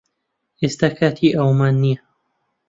ئێستا کاتی ئەوەمان نییە